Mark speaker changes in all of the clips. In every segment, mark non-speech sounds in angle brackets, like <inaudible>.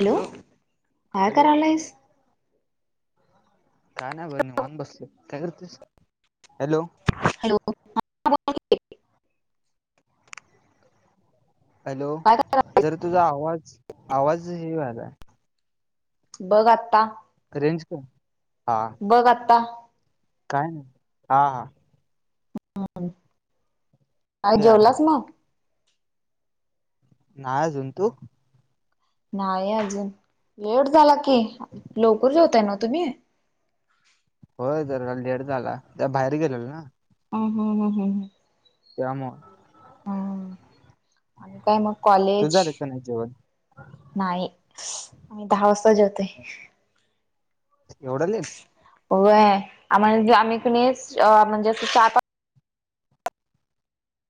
Speaker 1: Hello हांय
Speaker 2: hello
Speaker 1: करालांयस
Speaker 2: काण्यां बरं वानं बसं कातस हॅलो
Speaker 1: हॅलो
Speaker 2: हॅलो
Speaker 1: काय करायलास?
Speaker 2: जरं तुझां आवांज आवांज हे झाला
Speaker 1: बघं आं आंत्ता
Speaker 2: अरेंज कां हां
Speaker 1: बघं आंता
Speaker 2: कामं नां हां हां
Speaker 1: हम्मं आणि
Speaker 2: यायला
Speaker 1: जेवलासं मगं
Speaker 2: नांजी जुं तू
Speaker 1: नाहीं नाहीं अजूंन लेट झाला की लवकर जेवतय ना तुम्ही
Speaker 2: होंयं जे लेटं झालां त्यां बाहेर गेलेल नां
Speaker 1: हं हं हं हं
Speaker 2: त्यांमुळे
Speaker 1: आणि कायं मंग
Speaker 2: तुझं
Speaker 1: कॉलेज
Speaker 2: झालं का नाही जेवण
Speaker 1: नाहीं आम्हीं दहा वाजतां जेवतो होतोय
Speaker 2: एवढं लेट
Speaker 1: हो आमं आम्हीं कुणी म्हणजे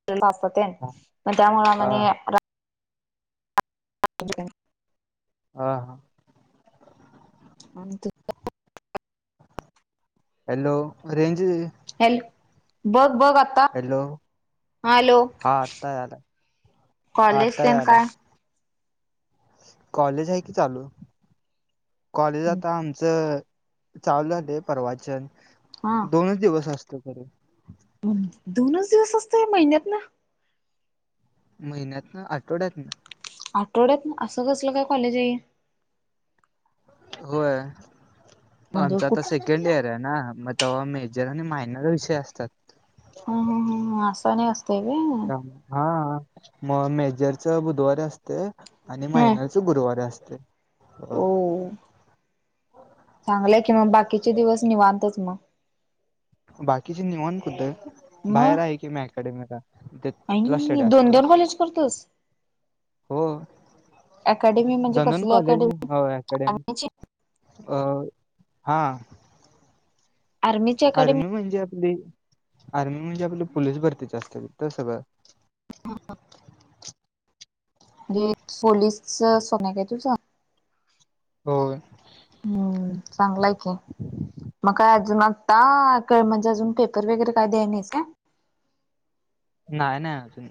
Speaker 1: केलं असतं ते
Speaker 2: हा
Speaker 1: त्यां मुळे म्हंणे
Speaker 2: हा
Speaker 1: ठी
Speaker 2: हां हां
Speaker 1: आणि ते
Speaker 2: हॅलो रेंज
Speaker 1: हॅल बघ बघ आ ता
Speaker 2: हॅलो
Speaker 1: हॅलो
Speaker 2: हा आत्ता यायलाय हा
Speaker 1: कॉलेज
Speaker 2: आत्ता
Speaker 1: तेन
Speaker 2: यायलाय
Speaker 1: काय?
Speaker 2: कॉलेज आहे कि चालू कॉलेज आता आमचं चालू झालय परवाचन
Speaker 1: हा
Speaker 2: दोनच दिवस असतय खरं.
Speaker 1: दोनच दिवस असतय महिन्यातन?
Speaker 2: महिन्यातन आठवड्यातन.
Speaker 1: आठवड्यात असं कसलं काय कॉलेज हाय ये.
Speaker 2: होय
Speaker 1: म्हणजे
Speaker 2: आमचा आता
Speaker 1: कुठ
Speaker 2: सेकंड इयर आहे ना मग तेव्हा मेजर आणि मायनर विषय असतात.
Speaker 1: हम् हम हम अस आणि अस
Speaker 2: हा मग मेजरच बुधवारी असतय आणि
Speaker 1: ह
Speaker 2: मायनर च गुरुवारी असतय.
Speaker 1: हो. चांगलंय कि मग बाकीचे दिवस निवांतच मग,
Speaker 2: बाकीचे निवात कुठं
Speaker 1: मग
Speaker 2: बाहेर आहे की मी अकॅडेमीला त तिथला
Speaker 1: आई
Speaker 2: स्टडी
Speaker 1: दोन
Speaker 2: असतो.
Speaker 1: दोन कॉलेज करतोस
Speaker 2: हो
Speaker 1: अकॅडमी म्हणजे
Speaker 2: दोन दोन
Speaker 1: कसली
Speaker 2: कॉलेज
Speaker 1: अकॅडमी
Speaker 2: हो अकॅडमी
Speaker 1: आर्मीची
Speaker 2: अ हा.
Speaker 1: आर्मीची अकॅडमी
Speaker 2: आर्मी म्हणजे आपली आर्मी म्हणजे आपली पोलीस भरतीच असत तिथ सगळ.
Speaker 1: म्हणजे पोलीसच सोन आहे काय तुझं?
Speaker 2: हो.
Speaker 1: हम्म चांगलाय हाय की, मग काय अजून मग? टाक म्हणजे अजून पेपर वगैरे काय द्याय नाहीस काय?
Speaker 2: नाहीय नाही अजून.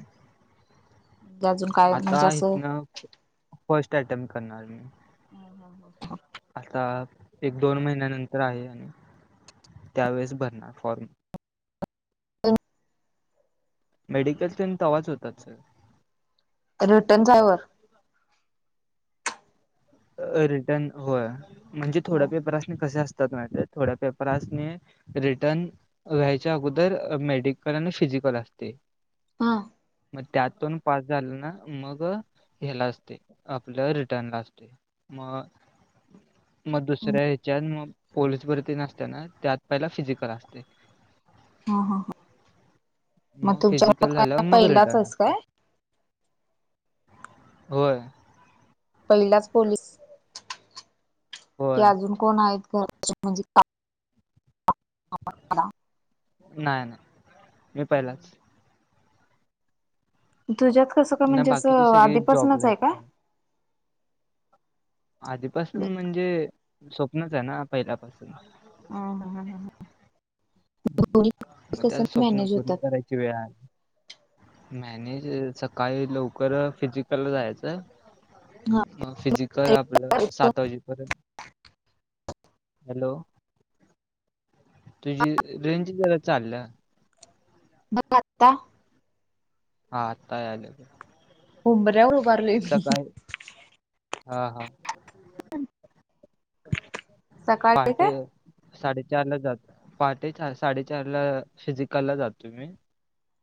Speaker 1: म्हणजे अजून का
Speaker 2: आता इथन फर्स्ट अटेम्ट करणार मी.
Speaker 1: हम हम ह.
Speaker 2: आता एक दोन महिन्यानंतर आहे आणि त्यावेेळेस भरणार फॉर्म.
Speaker 1: <unintelligible>
Speaker 2: मेडिकल तेन तवाच होतात सगळं.
Speaker 1: रिटर्न <unintelligible>
Speaker 2: रिटर्न होय म्हणजे थोड्या
Speaker 1: ह
Speaker 2: पेपरासनी कसे असतात माहित हाय थोड्या पेपरसनी रिटर्न व्हायच्या अगोदर मेडिकल आणि फिजिकल असते.
Speaker 1: हा.
Speaker 2: मग त्यातून पास झाला ना मग ह्याला असतय आपलं रिटर्न ला असतोय मग मग दुसऱ्या ह्याच्यात मग पोलीस भरती तेन असत्या ना त्यात पहिला फिजिकल असतय.
Speaker 1: ह हा ह.
Speaker 2: मग
Speaker 1: तुमच्या घरात
Speaker 2: फिजिकल झाल्यावर
Speaker 1: काय
Speaker 2: मग
Speaker 1: पहिलाच
Speaker 2: रिटर्न
Speaker 1: आहेस
Speaker 2: असतय
Speaker 1: काय
Speaker 2: होय.
Speaker 1: पहिलाच पोलिस की
Speaker 2: होय
Speaker 1: अजून कोण आहेत घरा म्हणजे <unintelligible>
Speaker 2: नाही नाही मी पहिलाच.
Speaker 1: तुझ्यात कसं का
Speaker 2: नाही
Speaker 1: म्हणजे
Speaker 2: बाकीचे
Speaker 1: असं
Speaker 2: सगळे जॉबला
Speaker 1: आधिपासनच
Speaker 2: आहेत.
Speaker 1: आहे काय
Speaker 2: बाहेर. आधीपासून म्हणजे स्वप्नच आहे ना पहिल्यापासून.
Speaker 1: हा हा हा हा, दोन्ही
Speaker 2: मग
Speaker 1: कस
Speaker 2: त्या स्वप्न
Speaker 1: मॅनेज होत्यात?
Speaker 2: <unintelligible> मॅनेज सकाळी लवकर फिजिकला जायाचं,
Speaker 1: होतात
Speaker 2: म फिजिकल आपलं सात वाजेपर्यंत हॅलो! तुझी रेंज जरा चाल्या.
Speaker 1: बघ आता.
Speaker 2: हा आता यालय जरा.
Speaker 1: उंभऱ्यावर उ
Speaker 2: सकाळी हा हा,
Speaker 1: सकाळी
Speaker 2: पहाटे
Speaker 1: काय?
Speaker 2: साडेचारला जा पहाटे चार साडेचारला फिजिकलला जातो मी,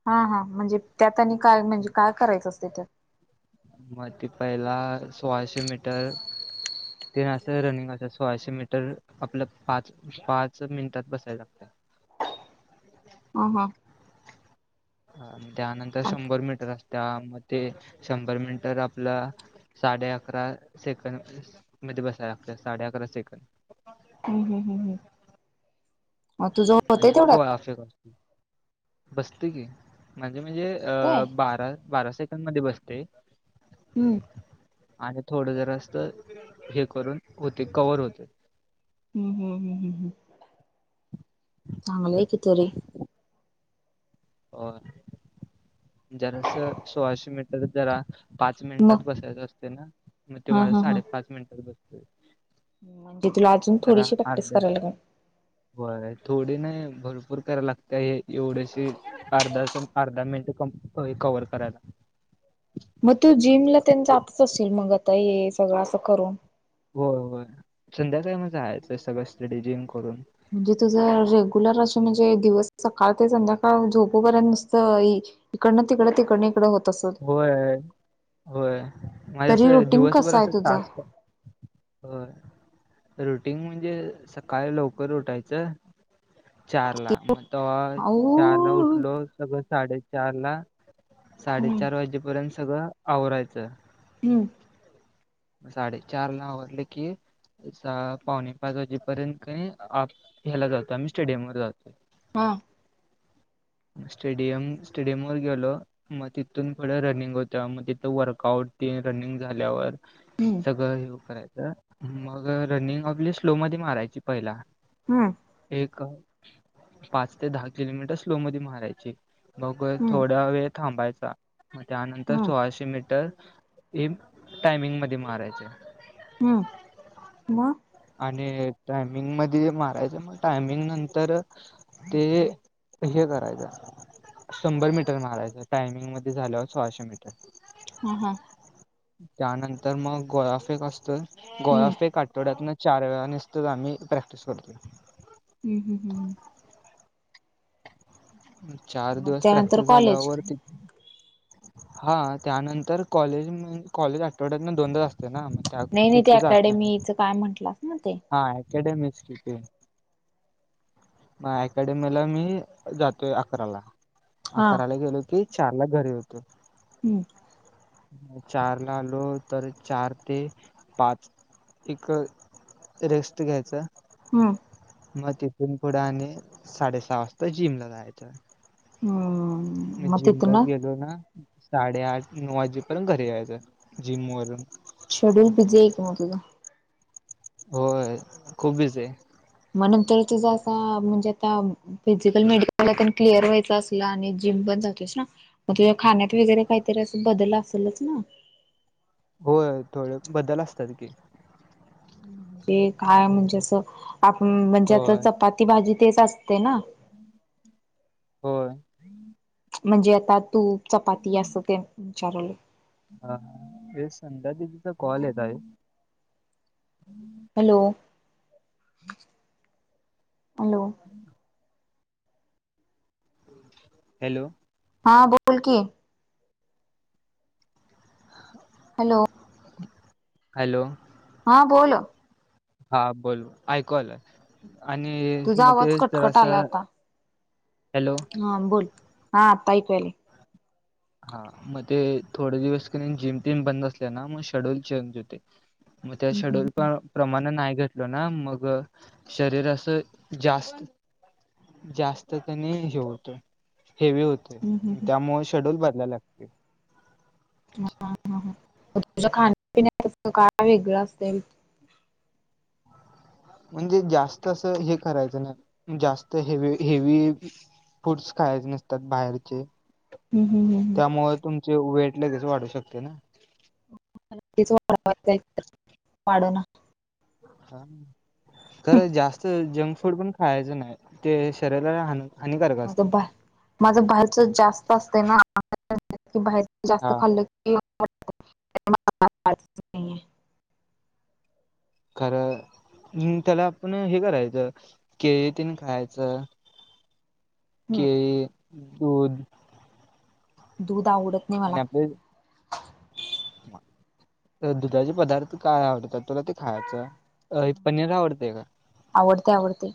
Speaker 1: हा हा, म्हणजे त्यात आणि काय म्हणजे काय करायचं असतय त्यात?
Speaker 2: म ते पहिला सोळाशे मीटर तेन आसं रनिंग अस सोळाशे मीटर आपलं पाच पाच मिनिटात बसाय लागतय.
Speaker 1: हा हा,
Speaker 2: अ म त्यानंतर शंभर मीटर आसत्या, म ते शंभर मीनटर आपलं साडे आकरा सेकंद मध्ये बसाय लागतय साडे आकरा सेकंद
Speaker 1: हू हू हू हू,
Speaker 2: आणि
Speaker 1: तेवढ्यात
Speaker 2: गोलफेक असतोय बसतय की माझे म्हणजे
Speaker 1: मस्त आहे.
Speaker 2: अ बारा बारा सेकंड मध्ये बसते,
Speaker 1: हुं,
Speaker 2: आणि थोड जरासं हे करून होते कव्हर होते.
Speaker 1: हू हू हू हू हू, चांगलं आहे की तरी
Speaker 2: होय जरास सोळाशे मीटर जरा पाच
Speaker 1: मग
Speaker 2: मिनिटात बसायचं असते ना म त्यो
Speaker 1: हा
Speaker 2: माजा साडेपाच मिनिटात बसतोय.
Speaker 1: हू म्हणजे तुला आ
Speaker 2: जरा आर्ध्या
Speaker 1: <inaudible>
Speaker 2: व्हय थोडी नाही भरपूर करा लागत्या हे एवढेशी आर्धा <unintelligible> अर्धा मिनट <unintelligible> कव्हर करायला
Speaker 1: म तू जिमलातेन जातच आशील मग आता हे सगळं आसं करून?
Speaker 2: व्हय व्हय, संध्याकाळी म जायाचं सगळं स्टडी जिन करून
Speaker 1: म्हणजे तुझं रेग्युलर अस म्हणजे दिवस सकाळ ते संध्याकाळ झोपूपर्यंत नुसत इकडनं तिकड तिकडन इकड हो
Speaker 2: व्हय होय माझ
Speaker 1: तरी
Speaker 2: आसं
Speaker 1: रुटीन
Speaker 2: दिवसभर
Speaker 1: कसं आहे
Speaker 2: असं
Speaker 1: तुझं?
Speaker 2: टास्क होय रुटीग म्हणजे सकाळी लवकर उठायचं, चारला म तव्हा चारला
Speaker 1: आऊ
Speaker 2: उठलो सगळं साडेचारला
Speaker 1: हम्म
Speaker 2: साडेचार वाजेपर्यंत सगळं आवरायचं,
Speaker 1: हू,
Speaker 2: म साडेचारला आवरल की, सहा पावणे पाच वाजेपर्यंतकनी आप हेला जातो आम्ही स्टेडियम वर जातोय.
Speaker 1: हा,
Speaker 2: स्टेडियम स्टेडियम वर गेलो, मग तिथून पुढ रनिंग होतं, मग तिथं वर्कआउट ते रनिंग झाल्यावर
Speaker 1: हम्म
Speaker 2: सगळं ह्यो करायचं मग रनिंग आपली स्लो मध्ये मारायची पहिला
Speaker 1: हम्म
Speaker 2: एक पाच ते दहा किलोमीटर स्लो मध्ये मारायची मग
Speaker 1: हम्म
Speaker 2: थोडा वेळ थांबायचा, मग त्यानंतर
Speaker 1: हम्म
Speaker 2: सोळाशे मीटर इम टायमिंग मध्ये मारायच.
Speaker 1: हम्म, म
Speaker 2: आणि टायमिंग मध्ये मारायचं मग टायमिंग नंतर ते. ते हे करायचा. शंभर मीटर मारायचं टायमिंग मध्ये झालं सोळाशे मीटर.
Speaker 1: हां हम्म.
Speaker 2: त्यानंतर मग गोळाफेक असतो
Speaker 1: हम्म
Speaker 2: गोळाफेक आठवड्यात न. चार वेळा नुसतच आम्ही प्रॅक्टिस करतो.
Speaker 1: हम् हम् हम् हम्म.
Speaker 2: चार
Speaker 1: मग
Speaker 2: दिवस
Speaker 1: त्यानंतर
Speaker 2: प्रॅक्टिस
Speaker 1: कॉलेज
Speaker 2: झाल्यावरती.
Speaker 1: <inaudible>
Speaker 2: हा त्यानंतर कॉलेज म कॉलेज आठवड्यातन दोनदा च असते ना. त्या
Speaker 1: नाही नाही ते
Speaker 2: तिथे जात नाही
Speaker 1: अकॅडमीच काय म्हटलात ना ते.
Speaker 2: हा अकॅडेमीच की ते अकॅडेमीला मी जा. <unintelligible> अकरा ला
Speaker 1: हा
Speaker 2: अकराला गेलो की चार ला घरी येतो.
Speaker 1: हम्म.
Speaker 2: चार ला आलो तर चार ते पाच. <unintelligible> रेस्ट घ्यायचा.
Speaker 1: हम्म.
Speaker 2: मग तिथून पुढे आणि साडेसहा वाजता जिमला जायचं.
Speaker 1: हो.
Speaker 2: मी जिमला गेलो ना. साडेआठ नऊ वाजेपर्यंत घरी यायचं जिम वरून.
Speaker 1: शेड्यूल बिझी आहे का मग तुझा.
Speaker 2: होय खूप बिझी आहे.
Speaker 1: मग नंतर तुझा काम म्हणजे काम. फिजिकल मेडिकल क्लिअर व्हायचं असला आणि जिम पण जातोस ना. मग तुझ्या खाण्यात वगैरे काहीतरी असं बदल असेलच ना.
Speaker 2: होय थोडे बदल असतात की.
Speaker 1: ते काय म्हणजे अस आ म्हणजे आता
Speaker 2: होय
Speaker 1: चपाती भाजी तेच असते ना.
Speaker 2: होय.
Speaker 1: म्हणजे आता तूप चपाती असं तेन विचारुलं.
Speaker 2: हा ते संध्या दिदीचा कॉल येत आहे.
Speaker 1: Hello hello.
Speaker 2: हॅलो.
Speaker 1: हा बोल की. हॅलो.
Speaker 2: हॅलो.
Speaker 1: हा बोल.
Speaker 2: हा बोल ऐकू आल आणि
Speaker 1: तुझा
Speaker 2: मग
Speaker 1: आवाज
Speaker 2: तेच
Speaker 1: कटकट
Speaker 2: जरासा.
Speaker 1: आला आता
Speaker 2: हॅलो.
Speaker 1: हा बोल हा आता ऐकू यालय.
Speaker 2: हा म ते थोडे दिवस क नाय जिम तेन बंद असल्या ना म शेड्यूल चेंज हुतंय. म त्या
Speaker 1: हम्म हम्म
Speaker 2: शेड्यूल पाळ प्रमाण नाय घेतलं ना मग शरीर असं जास्त जास्त त्यांनी हे होतंय हेवी होतय
Speaker 1: हम्म हम्म
Speaker 2: त्यामुळ शेड्यूल बदलायला लागते.
Speaker 1: हा म तुझ्या खाण्यापिण्या अस काय वेगळं असतंय?
Speaker 2: म्हणजे जास्त असं हे करायचं नाय जास्त हेवी हेवी फूड्स खायचे नसतात बाहेरचे.
Speaker 1: हम्म हम्म हम्म. हम्म.
Speaker 2: त्यामुळ तुमचे वेट लगेच वाढू शकते ना.
Speaker 1: मला तेच वाढवायचाय तर वाढना.
Speaker 2: हा खर जास्त जंक फूड पण खायचं नाय ते शरीराला हान हानिकारक असते
Speaker 1: माझं बा माझ बाहेरच जास्त असत ना की बाहेर जास्त
Speaker 2: हा
Speaker 1: खाल्लं <unintelligible> <unintelligible>
Speaker 2: खर नीम त्याला आपण हे करायचं केळ तेन खायाच.
Speaker 1: हम्म.
Speaker 2: केळी, दूध
Speaker 1: दूध आवडत नाही
Speaker 2: आणि
Speaker 1: मला
Speaker 2: आपल्या हित तर दुधाचे पदार्थ काय आवडतात तुला ते खायचं. अ पनीर आवडतय का?
Speaker 1: आवडतंय आवडतंय.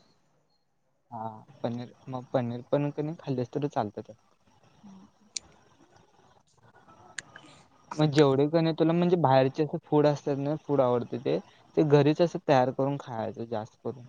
Speaker 2: हा पनीर मग पनीर पण क नी खाल्ली तर चालतं त्याला.
Speaker 1: हा.
Speaker 2: जेवढे क नाय तुला म्हणजे बाहेरचे असं फूड असतात ना फूड आवडते ते ते घरीच असं तयार करून खायचं जास्त करून.